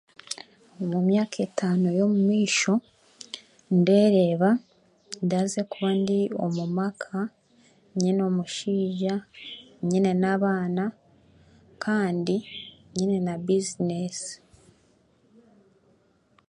Omu myaka etano y'omumaisho ndereeba ndabaasa kuba ndi omu maka nyine omushaija nyine n'abaana kandi nyine n'abizineesi